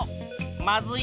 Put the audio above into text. まずい。